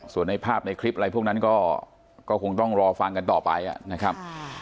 ส่วนในภาพในคลิปอะไรพวกนั้นก็คงต้องรอฟังกันต่อไปนะครับ